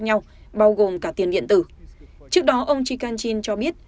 nhau bao gồm cả tiền điện tử trước đó ông jikanchin cho biết